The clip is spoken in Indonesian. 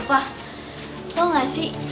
pak lo tau ga sih